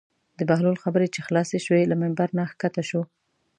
د بهلول خبرې چې خلاصې شوې له ممبر نه کښته شو.